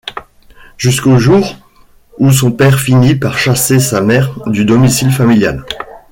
Jusqu'au jour où son père finit par chasser sa mère du domicile familial...